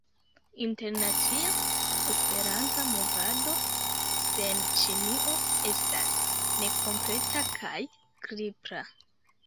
Internacia Esperanta movado sen Ĉinio estas nekompleta kaj kripla.